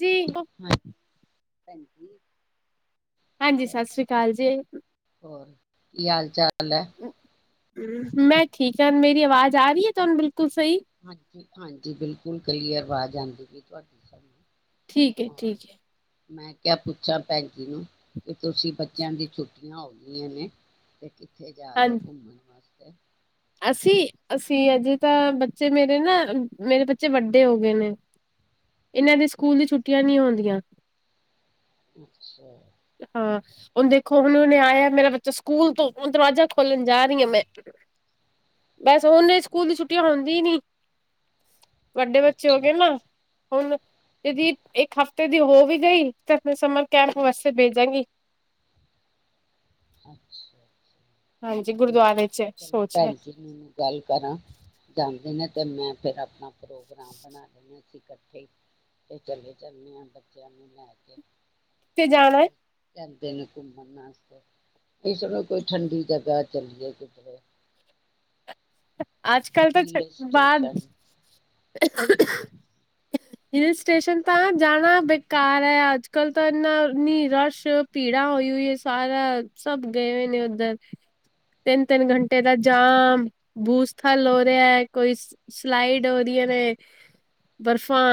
ਜੀ। [inaudible] ਹਾਂਜੀ। ਹਾਂਜੀ ਸਤਿ ਸ੍ਰੀ ਅਕਾਲ ਜੀ। ਹੋਰ ਕੀ ਹਾਲ ਚਾਲ। ਹੈ ਉਹ ਹੂ ਮੈਂ। ਠੀਕ ਹੈ ਮੇਰੀ ਆਵਾਜ਼ ਆ ਰਹੀ ਹੈ ਤੁਹਾਨੂੰ ਬਿਲ ਕੂਸਈ ਹਾਂਜੀ ਹਾਂਜੀ ਬਿਲਕੁਲ ਕਲੀਅਰ ਆਵਾਜ਼ ਆਉਂਦੀ ਪਈ ਤੁਹਾਡੀ। ਠੀਕ ਔਰ ਹੈ-ਠੀਕ ਹੈ ਮੈਂ ਕਿਆ ਪੁੱਛਾਂ ਭੈਣ ਜੀ ਨੂੰ ਕਿ ਤੁਸੀਂ ਬੱਚਿਆਂ ਦੀ ਛੁੱਟੀਆਂ ਹੋ ਗਈਆਂ ਨੇ ਤੇ। ਕਿਥੇ ਜਾ ਰਹੇ ਹੋ ਘੁੰਮਣ ਵਾਸਤੇ ਹਮ। ਅਸੀਂ-ਅਸੀਂ ਅਜੇ ਤਾਂ ਬੱਚੇ ਮੇਰੇ ਨਾ ਮੇਰੇ ਬੱਚੇ ਵੱਡੇ ਹੋ ਗਏ ਨੇ ਇਨ੍ਹਾਂ ਦੇ ਸਕੂਲ ਦੀ ਛੁੱਟੀਆਂ ਨਹੀਂ ਹੋ ਦੀਆਂ। ਅੱਛਾ। ਹਾਂ ਹੁਣ ਦੇਖੋ ਹੁਣੇ ਹੁਣੇ ਆਇਆ ਮੇਰਾ ਬੱਚਾ ਸਕੂਲ ਤੋਂ ਹੁਣ ਦਰਵਾਜ਼ਾ ਖੋਲਣ ਜਾ ਰਹੀ ਆ ਮੈਂ ਬਸ ਔ ਨੇ ਚ ਸਕੂਲ ਦੀ ਅੱਛਾ ਛੁਟਿਆ ਹੁੰਦੀਆਂ ਹੀ ਨਹੀਂ ਵੱਡੇ ਬੱਚੇ ਹੋ ਅੱਛਾ ਗਏ ਨਾ। ਅੱਛਾ ਹੁਣ ਇਹਦੀ ਇਕ ਹਫਤੇ ਦੀ ਹੋ ਵੀ ਗਈ ਤੇ ਫਿਰ ਸੁੰਮਰ ਕੈਂਪ ਬੱਸ ਫੇਰ ਭੇਜਾਂਗੀ। ਅੱਛਾ ਹਾਂਜੀ, ਮੈ ਤੇ ਗੁਰਦੁਆਰੇ ਕਿਹਾ ਚ ਚਲੋ ਸੋਚ ਹੈ, ਭੈਣ ਜੀ ਨੂੰ ਗੱਲ ਕਰਾਂ ਜਾਂਦੇ ਨੇ। ਅਤੇ ਮੈਂ ਫਿਰ ਆਪਣਾ ਪ੍ਰੋਗਰਾਮ ਬਣਾ ਲਿੰਦੇ ਅਸੀਂ ਇਕੱਠੇ ਤੇ ਚਲੇ ਚਲਨੇ ਆ ਬੱਚਿਆਂ ਨੂੰ ਲੈ ਕੇ। ਕਿੱਥੇ ਜਾਣਾ। ਜਾਂਦੇ ਨੇ ਘੁੰਮਣ ਵਾਸਤੇ। ਇਸ ਸੁਣੋ ਕੋਈ ਠੰਡੀ ਜਗਾ ਚਲੀਏ ਕਿਧਰੇ। ਅੱਜ ਕੱਲ ਤਾਂ ਹਿਲ ਬਾਅਦ ਸਟੇਸ਼ਨ ਹਿਲ ਸਟੇਸ਼ਨ ਤਾਂ ਜਾਣਾ ਬੇਕਾਰ ਹੈ। ਅੱਜ -ਕੱਲ ਤਾਂ ਇਨਾ ਨੀ ਰਸ਼ ਭੀੜਾ ਹੂਈ ਹੂਈ ਐ ਹੈ। ਸਾਰਾ ਸਭ ਗਏ ਹੋਏ ਨੇ ਉੱਧਰ ਤਿੰਨ -ਤਿੰਨ ਘੰਟੇ ਦਾ ਜਾਮ। ਬੂ ਸਥਲ ਹੋ ਰਿਹਾ ਕੋਈ ਸਲਾਈਡ ਹੋ ਰਹੀਆਂ ਨੇ ਬਰਫ਼ਾਂ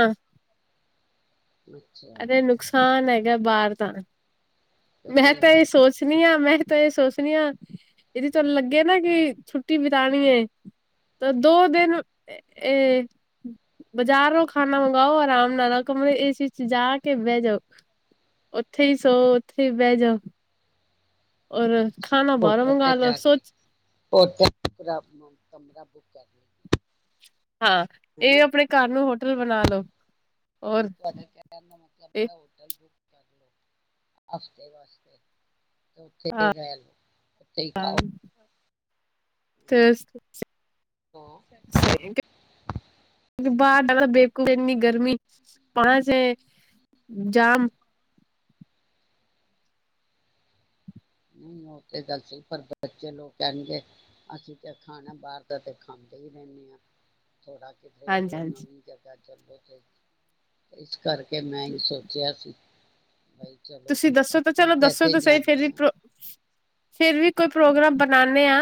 ਅੱਛਾ ਏਦੇ ਨੁਕਸਾਨ ਐ ਯੇ ਬਾਹਰ ਤਾਂ ਤੇ ਮੈਂ ਫਿਰ ਤਾਂ ਇਹ ਸੋਚਣੀ ਆਂ ਮੈਂ ਤਾਂ ਇਹ ਸੋਚ ਆਪਣੀਆਂ ਇਹਦੀ ਤੁਹਾਨੂੰ ਲੱਗੇ ਨਾ ਕਿ ਛੁੱਟੀ ਬਿਤਾਣੀ ਹੈ ਤਾਂ ਦੋ ਦਿਨ ਇਹ ਬਜ਼ਾਰ ਨੂੰ ਖਾਣਾ ਮੰਗਵਾਓ ਆਰਾਮ ਨਾਲ ਕਰੇ ਏ ਸੀ ਚ ਜਾ ਕੇ ਬਹਿ ਜਾਓ ਉੱਥੇ ਹੀ ਸੋ ਇਥੇ ਬੈ ਜਾਓ ਹੋਰ ਅੱਛਾ ਹੋਟਲ ਤੇ ਜਾ ਕੇ ਹੋ ਕਮਰਾ ਬੁੱਕ ਕਰ ਲਈਏ ਹਾਂ ਹਨਾ ਇਹ ਆਪਣੇ ਘਰ ਨੂੰ ਹੋਟਲ ਬਣਾ ਲੋ ਔਰ ਅਟ ਕੇਦਾ ਇਹ ਮਤਲ ਹੋਟੇਲ ਹਾਂ [inaudible] [unintelligible] ਤੇ ਸਹੀ ਬਰ ਡਰ ਨੀ ਗਰਮੀ ਪਾਸ ਹੈ ਜਾਮ ਨਹੀਂ ਉਹ ਤੇ ਗ ਸੀ ਪਰ ਬੱਚੇ ਲੋਕ ਕਹਿਣਗੇ ਅਸੀਂ ਤਾਂ ਖਾਣਾ ਬਾਹਰ ਦਾ ਤੇ ਖਾਂਦੇ ਹੀ ਰਹਿੰਦੇ ਹਾਂ [unintelligible] ਹਾਂਜੀ ਹਾਂਜੀ [unintelligible] ਕਰਕੇ ਮੈਂ ਹੀ ਸੋਚਿਆ ਸੀ ਬਈ ਚਲੋ ਤੁਸੀਂ ਦੱਸੋ ਤਾਂ ਨਹੀਂ ਚਲੋ ਦੱਸੋ ਇੱਥੇ ਤਾਂ ਸਹੀ ਫਿਰ ਜਾਂਦੇ ਵੀ ਹਾਂ ਫਿਰ ਵੀ ਕੋਈ ਪ੍ਰੋਗਰਾਮ ਬਨਾਦੇ ਆ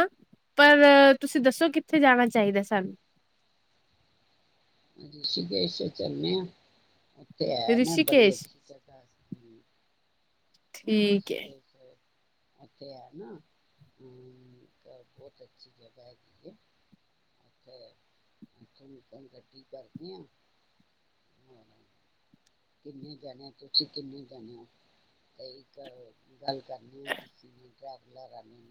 ਪਰ ਤੁਸੀਂ ਦੱਸੋ ਕਿੱਥੇ ਜਾਣਾ ਚਾਹੀਦਾ ਸਾਨੂੰ ਰਿਸ਼ਕੇਸ਼ ਚੱਲੇ ਆ [unintelligible] ਉੱਥੇ ਹੈ ਨਾ ਹਮ ਬਹੁਤ ਰਿਸ਼ੀਕੇਸ਼ ਠੀਕ ਹੈ ਅੱਛੀ ਜਗਾ ਹੈਗੀੇ ਛਟੀ ਕਰਦੇ ਹ ਹੋਰ ਕਿੰਨੇ ਜਾਣੇ ਤੁਸੀਂ ਕਿੰਨੇ ਜਾਣੇ ਹੋ ਤੇ ਇੱਕ ਗੱਲ ਕਰਨੀ ਆ ਟਰੈਵਲਰੇ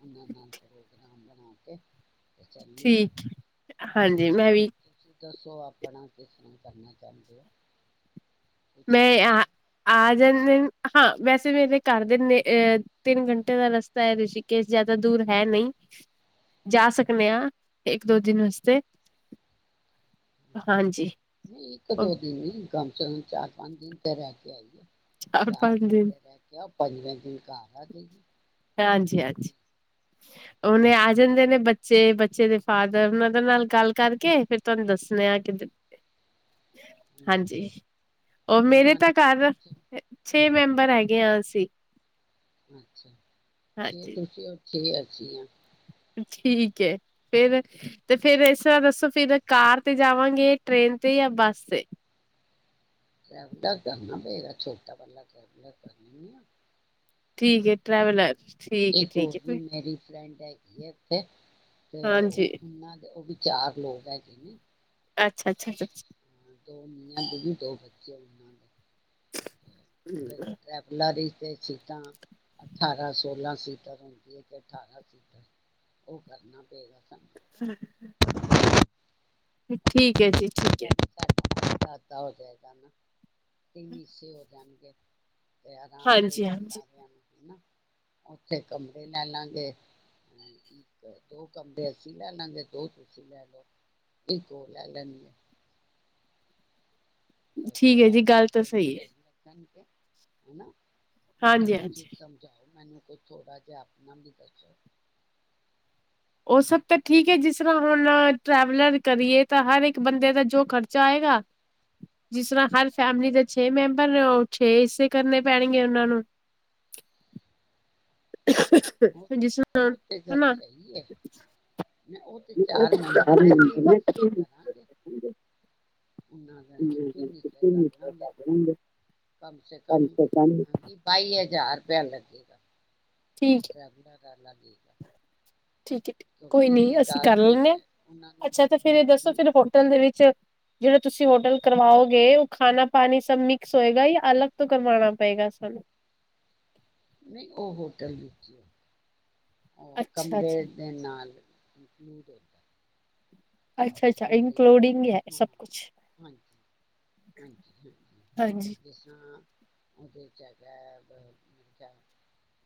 ਉਹਨਾਂ ਨਾਲ ਪ੍ਰੋਗਰਾਮ ਬਣਾ ਕੇ ਚੱਲਦੇ ਹਾਂ ਠੀਕ ਹਾਂਜੀ ਤੁਸੀਂ ਮੈਂ ਵੀ ਤੁਸੀਂ ਦੱਸੋ ਆਪਣਾ ਕਿਸ ਤਰ੍ਹਾਂ ਕਰਨਾ ਚਾਹੁੰਦੇ ਹੋ ਕੁਛ ਮੈਂ ਆ ਦੱਸੋ ਆਜ ਹਾਂ ਵੈਸੇ ਮੇਰੇ ਘਰ ਦੇ ਤਿੰਨ ਘੰਟੇ ਦਾ ਰਸਤਾ ਹੈ ਰਿਸ਼ੀਕੇਸ਼ ਜਿਆਦਾ ਦੂਰ ਹੈ ਨਹੀਂ ਜਾ ਸਕਦੇ ਆਾਂ ਇੱਕ ਦੋ ਦਿਨ ਵਾਸਤੇ ਹਾਂਜੀ ਨਹੀਂ ਇੱਕ ਉਹ ਦੋ ਦਿਨ ਹੀ ਗਮ ਚ ਚਾਰ ਪੰਜ ਦਿਨ ਤੇ ਰਹਿ ਕੇ ਆਈਏ ਚਾਰ ਪੰਜ ਦਿਨ [unintelligible] ਹਾਂਜੀ ਹੋਰ ਹਾਂਜੀ ਕੀ ਉਹਹਨੇ ਆ ਜਾਂਦੇ ਨੇ ਬੱਚੇ ਬੱਚੇ ਦੇ ਫਾਦਰ ਉਹਨਾਂ ਦੇ ਨਾਲ ਗੱਲ ਕਰਕੇ ਫਿਰ ਤੁਹਾਨੂੰ ਦੱਸਣੇ ਆ ਕਿਰ ਹੋਰ ਕੀ ਹਾਂਜੀ ਉਹ ਮੇਰੇ ਤਾਂ ਨਾਨਕੇ ਘਰ ਬੱਚੇ ਛੇ ਹਾਂਜੀ ਮੈਂਬਰ ਦੱਸੋ ਹੈਗੇ ਹ ਅਸੀਂ ਅੱਛਾ ਹਾਂਜੀ ਤੁ ਅੱਛੀ ਅੱਸੀ ਆ ਠੀਕ ਹੈ ਫੇਿਰ ਤੇ ਫੇਿਰ ਇਸ ਤਰ੍ਹਾਂ ਦੱਸੋ ਫਿਰ ਕਾਰ ਤੇ ਜਾਵਾਂਗੇ ਟ੍ਰੇਨ ਤੇ ਜਾਂ ਬੱਸ ਤੇ ਬ ਕਰਨਾ ਪੇ ਛੋਟਾਲਾਬ ਕਰ ਲ ਆ ਠੀਕ ਟਰੈਵਲਰ ਠੀਕ ਹੈ ਇੱਕ ਹੋਰ ਠੀਕ ਹੈ ਵੀ ਮੇਰੀ ਫਰੈਂਡ ਹੈਗੀ ਹੈ ਉੱਥੇ ਤੇ ਹਾਂਜੀ ਉਹਨਾਂ ਦੇ ਉਹ ਵੀ ਚਾਰ ਲੋਕ ਹੈਗੇ ਨੇ ਅੱਛਾ ਅੱਛਾ ਅ ਦੋ ਨੀਆਂ ਦੀਦੀ ਦੋ ਬੱਚੇ ਉਹਨਾਂ ਦੇ ਬਿਲ ਟੈਫਲਾਰੀ ਅਤੇ ਸੀਟਾਂ ਅਠਾਰਾਂ ਸੋਲਾਂ ਸੀਟਾਂ ਰਦੀਆਂ ਅਤੇ ਅਠਾਰਾਂ ਸੀਟਾਂ ਉਹ ਕਰਨਾ ਪਏ ਗਾ ਠੀਕ ਹੈ। ਜੀ ਠੀਕ ਹੈ। ਦਾਦਾ ਹੋ ਗਿਆ ਕਰਨਾ ਅਸੀਂ ਹੋ ਜਾਣਗੇ। ਤੇ ਆਰਾਮ ਹਾਂਜੀ ਰਹੇਗਾ ਹਾਂਜੀ ਸਾਰਿਆਂ ਨੂੰ ਹਨਾ ਉੱਥੇ ਕਮਰੇ ਲੈ ਲਾਂਗੇ ਅ ਇੱਕ ਦੋ ਕਮਰੇ ਅੱਸੀਂ ਲੈ ਲਾਂਗੇ ਦੋ ਤੁਸੀਂ ਲੈ ਲੋ ਇੱਕ ਉਹ ਲੈ ਲੈਣਗੇ ਠੀਕ ਹੈ ਥੋੜਾ ਜੀ ਗੱਲ ਤਾਂ ਪੈਸੇ ਵੀ ਹੈ ਸਹੀ ਲਗਣਗੇ [inaudible] ਹਨਾ [inaudible] ਬਾਕੀ ਹਾਂਜੀ ਤੁਸੀਂ ਹਾਂਜੀ ਸਮਝਾਓ ਮੈਨੂੰ ਕੋ ਥੋੜਾ ਜਿਹਾ ਆਪਣਾ ਵੀ ਦੱਸੋ ਉਹ ਸਭ ਤਾਂ ਠੀਕ ਹੈ ਜਿਸ ਤਰ੍ਹਾਂ ਹੁਣ ਟਰੈਵਲਰ ਕਰੀਏ ਤਾਂ ਹਰ ਇੱਕ ਬੰਦੇ ਦਾ ਜੋ ਖ਼ਰਚਾ ਆਏਗਾ ਜਿਸ ਤਰ੍ਹਾਂ ਹਰ ਫੈਮਿਲੀ ਦੇ ਛੇ ਮੈਂਬਰ ਉਹ ਛੇ ਹਿੱਸੇ ਕਰਨੇ ਪੈਣਗੇ ਉਹਨਾਂ ਨੂੰ ਜਿਸ ਉਹ ਤੇ ਗੱਲ ਤਰ੍ਹਾਂ ਹਨਾ ਸਹੀ ਹੈ ਮੈਂ ਉਹ ਤੇ ਚਾਰ ਮੈਂਬਰ ਨੇ ਤੇੇ ਕਰਾਂਗੇ ਅਸੀਂ ਤਿੰਨ ਹਿੱਸੇ ਕਰ ਲਾਂਗੇ ਕਮ ਸੇ ਕਮ ਬਾਈ ਹਜ਼ਾਰ ਰੁਪਇ ਲੱਗੇਗਾ। ਠੀਕ ਹੈ ਟਰੈਵਲਰ ਚ [inaudible] ਠੀਕ ਠੀਕਕੋਈ ਨੀ ਕਿਉਂਕਿ ਅਸੀਂ ਕਰ ਰਾਸਤੇ ਲੈਂਦੇ ਹਾਂ 'ਚ ਉਹਨਾਂ ਨੂੰ ਅੱਛਾ ਤੇ ਫੇਿਰ ਦੱਸੋ ਹਮ, ਫਿਰ ਹੋਟਲ ਵਿਚ ਜਿਹੜਾ ਤੁਸੀਂ ਹੋਟਲ ਕਰਵਾਓਗੇ ਉਹ ਖਾਣਾ ਪਾਣੀ ਸ ਮਿਕਸ ਹੋਏਗਾ ਜਾਂ ਅਲੱਗ ਤੋਂ ਕਰਵਾਉਣਾ ਪਏਗਾ ਸਾਨੂੰ ਨਹੀਂ ਉਹ ਹੋਟਲ ਉਹ ਅੱਛਾ ਅੱਛਾ ਕਮਰੇ ਦੇ ਨਾਲ [inaudible] ਅੱਛਾ ਅੱਛਾ ਕਮਰੇ ਨਾਲ ਇਨਕਲੂਡਿੰਗ ਹੈ ਹਾਂ ਸਭ ਕੁਛ ਹਜੀ ਹਾਂਜੀ ਹਾਂਜੀ ਹਾਂਜੀ ਜਿਸ ਤਰ੍ਹਾਂ [inaudible] ਉਹਦੇ ਚ ਹੈਗਾ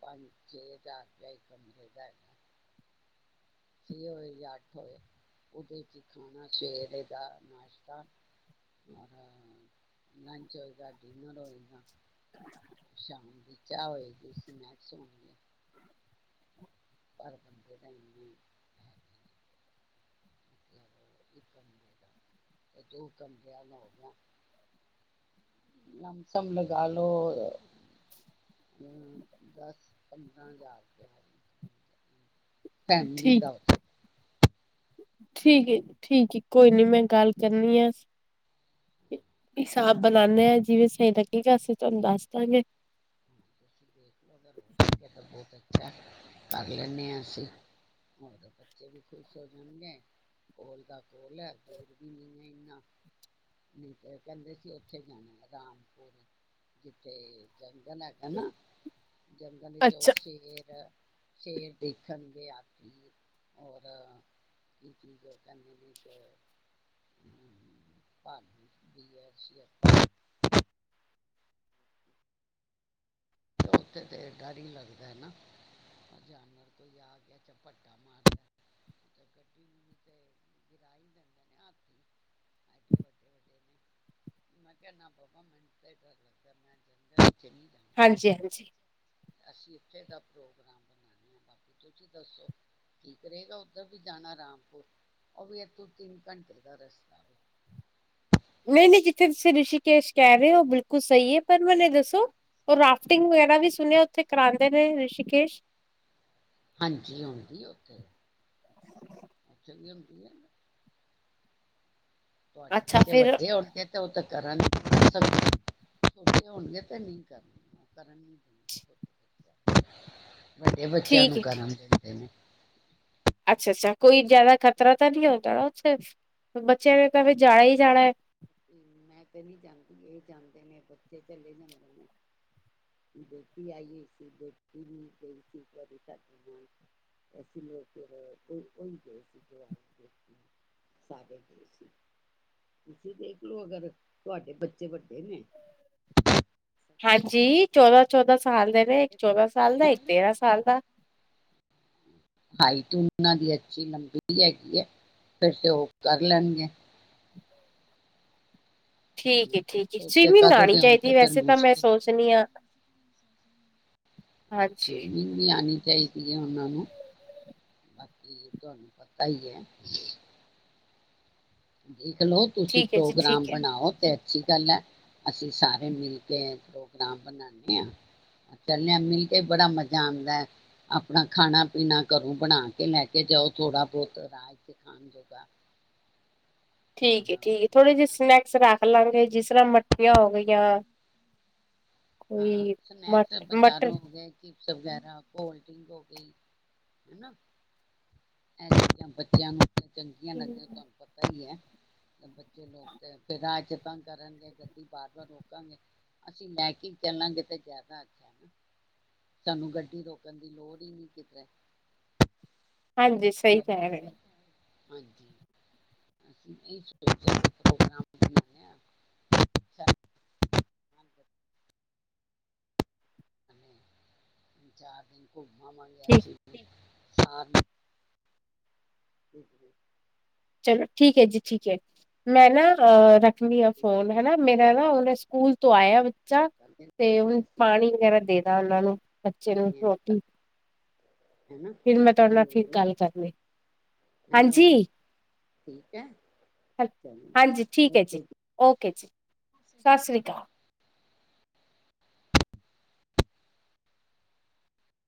ਪੰਜ ਛੇ ਹਜ਼ਾਰ ਰਹੈਗਾ ਛੇ ਛੇ ਹਜਾਰ ਇਕ ਕਮਰੇ ਦਾਹੋਏ ਜਾਂ ਅੱਠ ਹੋਏ ਉਹਦੇ ਖਾਣਾ ਸਵੇਰੇ ਦਾ ਨਾਸ਼ਤਾ ਰ ਲੰਚ ਹੋਏਗਾ ਡਿਨਰ ਹੋਏਗਾ ਸ਼ਾਮ ਦੀ ਚਾਹ ਹੋਏਗੀ ਸਨੈਕਸ ਹੋਣਗੇ ਪਰ ਪੰਦੇ ਦੋ ਕਮਿਆਂ ਨੂੰ ਹੋ ਗਿਆ, ਲਮਸਮ ਲਗਾ ਲੋੋ ਅੰਮਮ ਦਸ-ਪੰਦਰਾਂ ਹਜ਼ਾਰ ਰੁਪਏ। ਫੈਮਲੀ ਠੀਕ ਦਾ ਠੀਕ ਹੈ, ਜੀ ਠੀਕ ਹੈ। ਕੋਈ ਨੀ ਮੈਂ ਗੱਲ ਕਰਨੀ ਆ, ਹਿਸਾਬ ਬਣਾਉਦੇ ਹਾਂ ਜਿਵੇਂ ਸਹੀ ਲੱਗੇਗਾ ਅਸੀਂ ਤੁਹਾਨੂੰ ਦੱਸ ਦਾਂਗੇ। [inaudible] ਕਰ ਲੈਂਦੇ ਹਾਂ ਅਸੀਂ, ਹੋਰ ਬੱਚੇ ਵੀ ਖੁਸ਼ ਹੋ ਜਾਣਗੇ ਕੋਲ [unintelligible] ਨਹੀਂ, ਤੇ ਕਹਿੰਦੇ ਸੀ ਉੱਥੇ ਜਾਣਾ ਰਾਮਪੁਰ ਜਿੱਥੇ ਜੰਗਲ ਹੈਗਾ ਨਾ ਜੰਗਲ ਵਿੱਚ ਉਹ ਅੱਛਾ ਸ਼ੇਰ-ਸ਼ੇਰ ਦੇਖਣ ਗਿਆ ਸੀ ਹੋਰ ਏਕ ਚੀਜ਼ ਕਰਨ ਦੀ ਇੱਕ ਭਾਰਤੀਯ ਉਥੇ ਤੇ ਡਰ ਲੱਗਦਾ ਹੈ ਨਾ ਅਚਾਨਕ ਕੋਈ ਆ ਗਿਆ ਚਪਤਾ ਮਾਰਨ [unintelligible] ਮੈ ਕਿਆ ਨਾ ਬਾਬਾ ਮਨੁ ਤੇ ਡਰ ਹੀ ਲਗਦਾ ਹੈ ਹਾਂਜੀ-ਹਾਂਜੀ। ਇਥੇ ਦਾ ਪ੍ਰੋਗਰਾਮ ਬਣਾਣੇ ਆ ਬਾਕੀ ਤੁਸੀਂ ਦੱਸੋ ਠੀਕ ਰਹੇਗਾ ਉੱਧਰ ਵੀ ਜਾਣਾ ਰਾਮਪੁਰ ਉਹ ਵੀ ਇਥੋਂ ਤਿੰਨ ਘੰਟੇ ਦਾ ਰਸਤਾ ਵੇ। ਨਹੀਂ-ਨਹੀਂ, ਜਿੱਥੇ ਤੁਸੀਂ ਰਿਸ਼ੀਕੇਸ਼ ਕਹਿ ਰਹੇ ਹੋ ਬਿਲਕੁਲ ਸਹੀ ਹੈ ਪਰ ਮੈਨੂੰ ਦੱਸੋ ਉਹ ਰਾਫਟਿੰਗ ਵਗੈਰਾ ਵੀ ਸੁਣਿਆ ਉੱਥੇ ਕਰਾਉਂਦੇ ਨੇ ਰਿਸ਼ੀਕੇਸ਼? ਹਾਂਜੀ, ਹੁੰਦੀ ਹੈ ਉਓਥੇ, ਚੰਗੀ ਹੁੰਦੀ ਹੈ। ਤਵਾਦੇ ਅੱਛਾ ਬੱਚੇ ਫਿਰ ਵੱਡੇ ਹੋਣਗੇ ਓ ਟੇ ਅਗਰ ਟਵਾਦੇ ਬੱਚੇ ਛੋਟੇ ਹੋਣ ਗੇ ਤੇ ਨਹੀਂ ਕਰਨ ਦੇਣ ਗੇ ਕਰਨ ਹੀ ਨਹੀਂ ਦੇਣਗੇ। ਵੱਡੇ ਬੱਚਿਆਂ ਠੀਕ ਨੂੰ ਹੈ ਕਰਨ ਦਦੇ ਨੇ। ਅੱਛਾ-ਅੱਛਾ, ਕੋਈ ਜਿਆਦਾ ਖ਼ਤਰਾ ਤਾਂ ਨਹੀਂ ਆਉਦਾ ਨਾ ਉਥੇ? ਇਸ ਕਰ ਕੇ ਮੈਂ ਤਾਂ ਨਹੀਂ ਜਾਣਦੀ ਇਹ ਜਾਣਦੇ ਨੇ ਬੱਚੇ ਚਲੇ ਜਾਂਦੇ ਨੇ, ਬੇਟੀ ਆਈ ਹੋਈ ਸੀ ਬੇਟੀ ਵੀ ਗਈ ਸੀ ਇੱਕ ਵਾਰੀ ਸਾਡ ਨਾਲ ਅਸੀ ਲੋਕ ਫਿਰ ਉਹੀ ਗਏ ਸੀ ਸਾਾਰੇ ਤੁਸੀਂ ਦੇਖਲੋ ਅਗਰ ਤੁਹਾਡੇ ਬੱਚੇ ਵੱਡੇ ਨੇ ਹਾਂਜੀ, ਚੌਦਾਂ ਚੌਦਾਂ ਸਾਲ ਦੇ ਨੇ ਇੱਕ ਚੌਦਾਂ ਸਾਲ ਦਾ ਇੱਕ ਤੇਰਾਂ ਸਾਲ ਦਾ। ਹਾਈਟ ਉਹਨਾਂ ਦੀ ਅੱਛੀ ਲੰਬੀ ਹੈਗੀ ਹੈ ਤੇ ਫਿਰ ਤੇ ਉਹ ਕਰ ਲੈਣਗੇ। ਠੀਕ ਹੈ, ਠੀਕ ਹੈ। ਛੋਟੇ ਸਵੀਮਿੰਗ ਕੱਦ ਆਉਣੀ ਦੇ ਹੋਣ ਤੇ ਚਾਹੀਦੀ ਫਿਰ ਵੈਸੇ ਤਾਂ ਮੈਂ ਮੁਸ਼ਕਿਲ ਹੈ। ਸੋਚਣੀ ਹਾਂ। ਅੱਛਾ, ਸਵੀਮਿੰਗ ਵੀ ਆਣੀ ਚਾਹੀ ਦੀ ਉਹਨਾਂ ਨੂੰ ਬਾਕੀ ਤੁਹਾਨੂੰ ਪਤਾ ਹੀ ਹੈ। ਦੇਖਲਓ ਤੁਸੀਂ ਠੀਕ ਹੈ ਜੀ ਪ੍ਰੋਗਰਾਮ ਠੀਕ ਹੈ। ਬਣਾਓ ਤੇ ਸਤੀ ਗੱਲ ਹੈ ਅਸੀਂ ਸਾਰੇ ਮਿਲ ਕੇ ਪ੍ਰੋਗਰਾਮ ਬਣਾਦੇ ਹ ਚੱਲੇ ਹ ਮਿਲ ਕੇ ਬੜਾ ਮਜ਼ਾ ਆਉਂਦਾ ਹੈ ਆਪਣਾ ਖਾਣਾ ਪੀਣਾ ਘਰੋਂ ਬਣਾ ਕੇ ਲੈ ਕੇ ਜਾਓ ਥੋੜ੍ਹਾ ਬਹੁਤ ਰਾਜ ਚ ਖਾਣ ਜੋਗਾ। ਔਰ ਠੀਕ ਹੈ, ਠੀਕ ਹੈ, ਥੋੜੇ ਜੇਹੇ ਸਨੈਕ ਸ ਰੱਖ ਲਾਂਗੇ ਜਿਸ ਤਰ੍ਹਾਂ ਮੱਠੀਆਂ ਹੋ ਗਈਆਂ ਹਾਂ ਕੋਈ ਸਨੈਕਸ ਮਟ ਮਟਰ ਵਿਚਾਰੋਗੇ ਕਿ। ਵਗੈਰਾ ਕੋਲਡਡਿੰਕ ਹੋ ਗਈ ਹਨਾ ਇਹ ਚੀਜ਼ਾਂ ਬੱਚਿਆਂ ਨੂੰ ਚੰਗੀਆਂ ਨਦੀਆਂ ਤੁਹਾਨੂੰ ਪਤਾ ਹੀ ਹੈ। ਬੱਚੇ ਲੋਕ ਤੇ ਫਿਰ ਰਾ ਯਤਾਂ ਕਰਨਗੇ ਗੱਡੀ ਵਾਰ ਵਾਰ ਰੋਕਾਂਗੇ ਅਸੀਂ ਲੈ ਕੇ। ਚੱਲਾਂਗੇ ਤੇ ਜ਼ਿਆਦਾ ਅੱਛਾ ਨਾ ਸਾਨੂੰ ਗੱਡੀ ਰੋਕਣ ਦੀ ਲੋੜ ਹੀ ਨੀ ਕਿਧਰ। ਹਾਂਜੀ ਸਹੀ ਕਹਿ ਰਹੇ ਹਾਂਜੀ [inaudible] ਚਾਰ ਦਿਨ। ਹਾਂ ਮੰਗਨੇ ਠੀਕ ਆਇਆ ਸੀ। ਹਾਂ। ਚਲੋ ਠੀਕ ਐ ਜੀ, ਠੀਕ ਐ। ਮੈਂ ਨਾ ਰਖ ਮੇਰਾ ਫੋਨ ਹਨਾ ਮੇਰਾ ਨਾ ਉਹਨੇ ਸਕੂਲ ਤੋਂ ਆਇਆ ਬੱਚਾ ਤੇ ਹੁਣ ਪਾਣੀ ਵਗੈਰਾ ਦੇ ਦਾ ਉਹਨਾਂ ਨੂੰ ਬੱਚੇ ਨੂੰ ਰੋਟੀ। ਹੈਨਾ ਫਿਰ ਮੈਂ ਤੁਹਾਡੇ ਨਾਲ ਫਿਰ ਹੈਲੋ ਗੱਲ ਕਰਨੀ। ਹਾਂਜੀ ਹੈਲੋ ਠੀਕ ਹੈ ਹ ਚਲੋ ਹਾਂਜੀ ਠੀਕ ਐ ਜੀ, ਓਕੇ ਜੀ। ਸਤਿ ਸ੍ਰੀ ਅਕਾਲ।